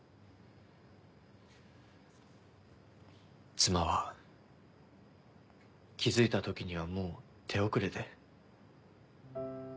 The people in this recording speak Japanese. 妻は気付いた時にはもう手遅れで。